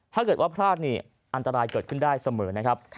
ถ้าเกิดว่าพลาดนี่อันตรายเกิดขึ้นได้เสมอนะครับ